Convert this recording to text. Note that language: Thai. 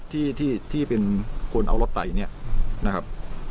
ที่ที่เป็นคนเอารถไปเนี่ยนะครับ